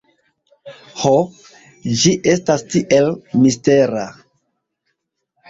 Ho, ĝi estas tiel mistera